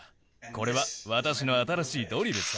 これは私の新しいドリルさ。